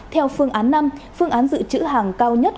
theo phương án năm phương án giữ chữ hàng cao nhất